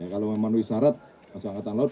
kalau memenuhi syarat masuk angkatan laut